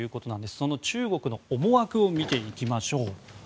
その中国の思惑を見ていきましょう。